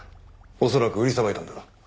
恐らく売りさばいたんだろ。